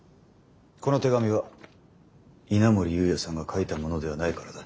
この手紙は稲森有也さんが書いたものではないからだ。